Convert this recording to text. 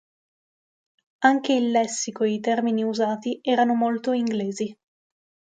Anche il lessico e i termini usati erano molto "inglesi".